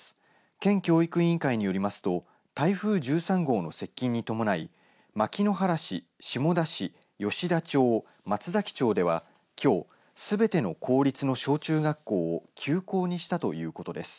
県教育委員会によりますと台風１３号の接近に伴い牧之原市、下田市、吉田町松崎町ではきょう、すべての公立の小中学校を休校にしたということです。